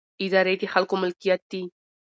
ادارې د خلکو ملکیت دي